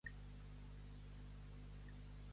Dits, dits, senyor rector, i eren els porcs que grunyien.